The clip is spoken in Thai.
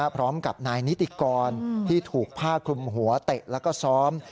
พร้อมกับนายนิติกรที่ถูกผ้าคลุมหัวเตะแล้วก็ซ้อม